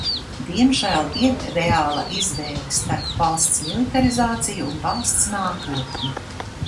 Diemžēl ir reāla izvēle starp valsts militarizāciju un valsts nākotni.